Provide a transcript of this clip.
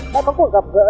đã có cuộc gặp gỡ